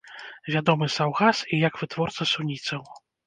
Вядомы саўгас і як вытворца суніцаў.